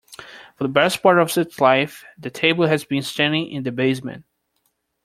For the best part of its life, the table has been standing in the basement.